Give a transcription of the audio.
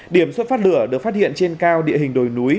điểm xuất phát lửa được phát hiện trên cao địa hình đồi núi